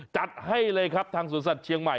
จัดให้เลยครับทางสวนสัตว์เชียงใหม่